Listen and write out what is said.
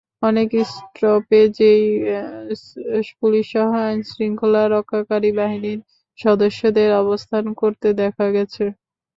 অনেক স্টপেজেই পুলিশসহ আইনশৃঙ্খলা রক্ষাকারী বাহিনীর সদস্যদের অবস্থান করতে দেখা গেছে।